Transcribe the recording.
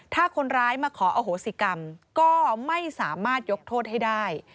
ถ้าคนร้ายมาขออโหสิกรรมก็ไม่สามารถยกโทษให้ได้